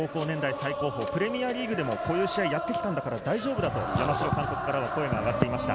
最高峰プレミアリーグでも、こういう試合をやってきたんだから大丈夫だと話をしていました。